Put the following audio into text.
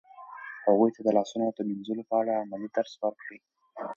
هغوی ته د لاسونو د مینځلو په اړه عملي درس ورکړئ.